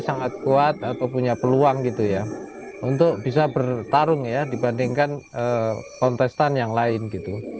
sangat kuat atau punya peluang gitu ya untuk bisa bertarung ya dibandingkan kontestan yang lain gitu